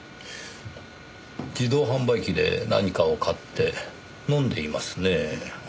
自動販売機で何かを買って飲んでいますねぇ。